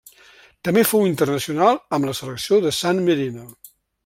També fou internacional amb la selecció de San Marino.